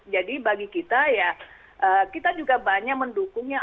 jadi bagi kita ya kita juga banyak mendukungnya